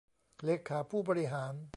เลขาผู้บริหาร